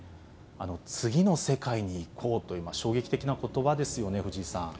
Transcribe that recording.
次の世界に行こうというのは、衝撃的なことばですよね、藤井さん。